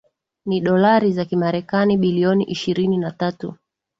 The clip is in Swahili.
Ni Dolari za Kimarekani Billion ishirini na tatu